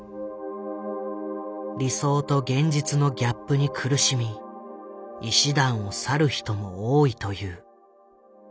理想と現実のギャップに苦しみ医師団を去る人も多いという。